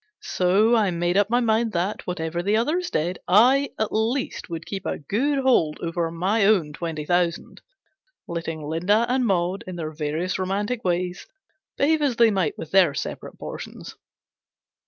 So I made up my mind that, whatever the others did, I at least would keep a good hold over my own twenty thousand, letting Linda and Maud, in their various romantic ways, behave as they might with their separate portions.